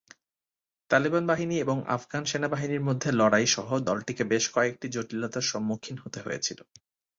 তালেবান বাহিনী এবং আফগান সেনাবাহিনীর মধ্যে লড়াই সহ দলটিকে বেশ কয়েকটি জটিলতার সম্মুখীন হতে হয়েছিল।